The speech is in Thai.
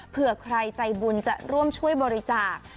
เพื่อใครใจบุญจะร่วมช่วยบริจาค